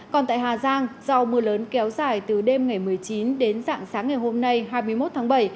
còn tại hà giang do mưa lớn kéo dài từ đêm ngày một mươi chín đến dạng sáng ngày hôm nay hai mươi một tháng bảy